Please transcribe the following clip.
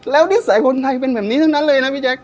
แล้วนิสัยคนไทยเป็นแบบนี้ทั้งนั้นเลยนะพี่แจ๊ค